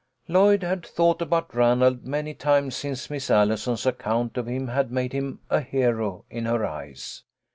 Lloyd had thought about Ranald many times since Miss Allison's account of him had made him a hero in her eyes.